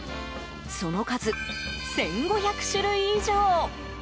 その数、１５００種類以上。